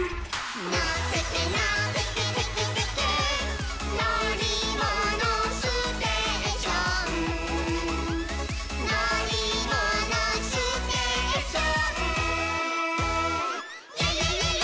「のってけのってけテケテケ」「のりものステーション」「のりものステーション」「イエイイエイイエイイエイ！」